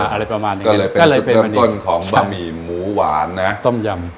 อะไรประมาณนี้ก็เลยเป็นต้นของบะหมี่หมูหวานนะต้มยำ